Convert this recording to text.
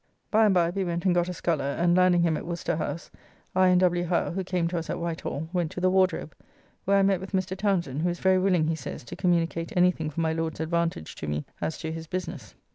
By and by we went and got a sculler, and landing him at Worcester House, I and W. Howe, who came to us at Whitehall, went to the Wardrobe, where I met with Mr. Townsend, who is very willing he says to communicate anything for my Lord's advantage to me as to his business.